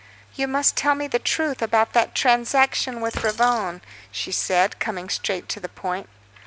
"You must tell me the truth about that transaction with Ravone," she said, coming straight to the point.